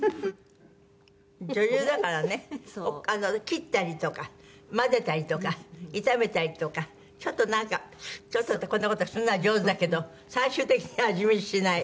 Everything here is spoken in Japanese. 切ったりとか混ぜたりとか炒めたりとかちょっとなんかちょっとってこんな事するのは上手だけど最終的に味見しない。